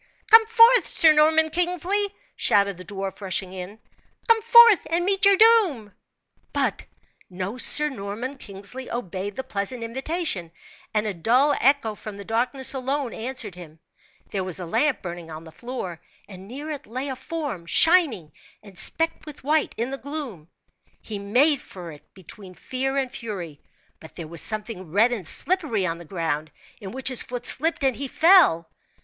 "Come forth, Sir Norman Kingsley!" shouted the dwarf, rushing in. "Come forth and meet your doom!" But no Sir Norman Kingsley obeyed the pleasant invitation, and a dull echo from the darkness alone answered him. There was a lamp burning on the floor, and near it lay a form, shining and specked with white in the gloom. He made for it between fear and fury, but there was something red and slippery on the ground, in which his foot slipped, and he fell.